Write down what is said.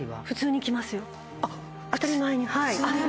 当たり前に。